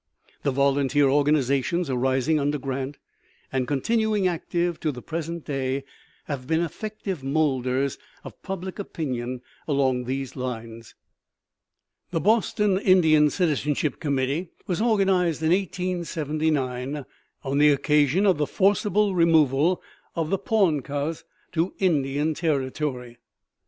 The volunteer organizations arising under Grant and continuing active to the present day have been effective molders of public opinion along these lines. The Boston Indian Citizenship Committee was organized in 1879, on the occasion of the forcible removal of the Poncas to Indian Territory.